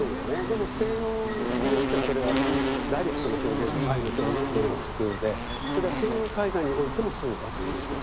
でも西洋においてはそれはダイレクトな表現愛の表現っていうのが普通でそれは西洋絵画においてもそうだということになりますよね。